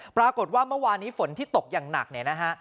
ปรากฏว่าเมื่อวานนี้ฝนที่ตกอย่างหนักเนี่ยนะฮะ